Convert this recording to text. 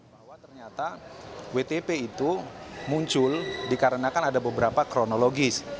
bahwa ternyata wtp itu muncul dikarenakan ada beberapa kronologis